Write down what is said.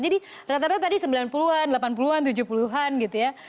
jadi rata rata tadi sembilan puluh an delapan puluh an tujuh puluh an gitu ya